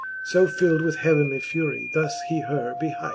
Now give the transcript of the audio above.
so fild with heavenly fury, thus he her behight.